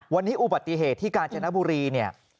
วันนี้อุบัติเหตุที่กางเจนบุรี